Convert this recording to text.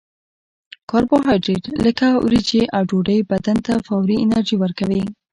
کاربوهایدریت لکه وریجې او ډوډۍ بدن ته فوري انرژي ورکوي